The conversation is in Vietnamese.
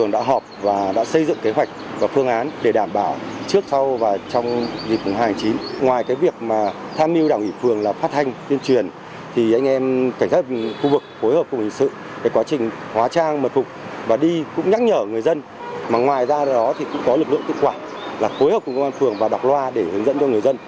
ngoài ra đó thì cũng có lực lượng tự quản là khối hợp cùng công an phường và đọc loa để hướng dẫn cho người dân